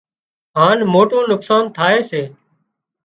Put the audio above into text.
هانَ موٽُون نقصان ٿائي سي